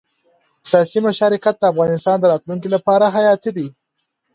سیاسي مشارکت د افغانستان د راتلونکي لپاره حیاتي دی